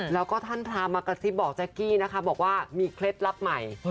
แล้วก็ท่านพามากระซิบบอกแจ๊กกี้นะคะบอกว่ามีเคล็ดลับใหม่